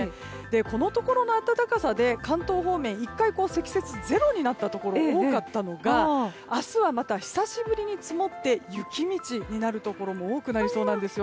このところの暖かさで関東方面は１回、積雪がゼロになったところ多かったのが明日はまた久しぶりに積もって雪道になるところも多くなりそうなんですよ。